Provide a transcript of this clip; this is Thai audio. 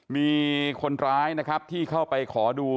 มีคนร้ายนะครับที่เข้าไปขอดู